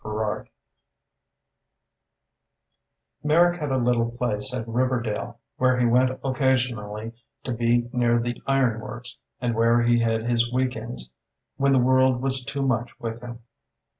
II Merrick had a little place at Riverdale, where he went occasionally to be near the Iron Works, and where he hid his week ends when the world was too much with him.